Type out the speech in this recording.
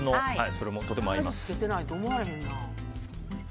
それもとても合います。